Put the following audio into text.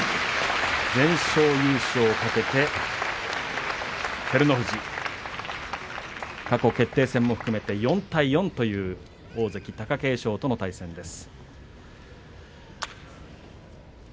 全勝優勝を懸けて照ノ富士過去、決定戦も含めて４対４という大関貴景勝との対戦です。